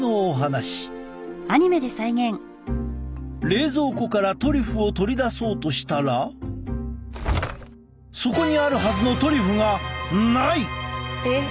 冷蔵庫からトリュフを取り出そうとしたらそこにあるはずのトリュフがない！